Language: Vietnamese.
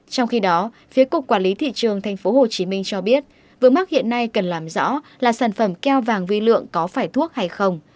trong khi đó phía cục quản lý thị trường tp hcm cho biết vướng mắc hiện nay cần làm rõ là sản phẩm keo vàng vi lượng có phải thuốc hay không